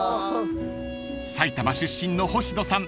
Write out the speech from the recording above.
［埼玉出身の星野さん